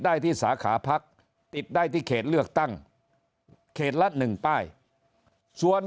ได้ที่สาขาพักติดได้ที่เขตเลือกตั้งเขตละ๑ป้ายส่วน